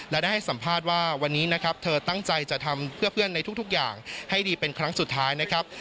และได้ให้สัมภาษณ์ว่าวันนี้นะครับเธอตั้งใจจะทำเพื่อเพื่อนในทุกอย่างให้ดีเป็นครั้งสุดท้ายนะครับ